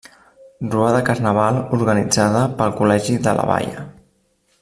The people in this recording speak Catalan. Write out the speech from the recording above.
Rua de Carnaval organitzada pel col·legi de La Baia.